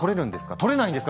取れないんですか？